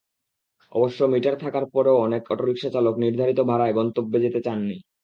অবশ্য মিটার থাকার পরও অনেক অটোরিকশার চালক নির্ধারিত ভাড়ায় গন্তব্যে যেতে চাননি।